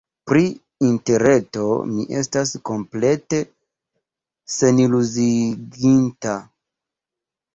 Pri Interreto mi estas komplete seniluziiĝinta.